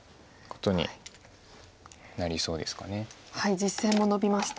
実戦もノビました。